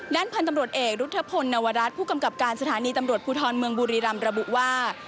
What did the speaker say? พันธุ์ตำรวจเอกรุธพลนวรัฐผู้กำกับการสถานีตำรวจภูทรเมืองบุรีรำระบุว่า